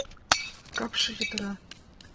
Капше йытыра.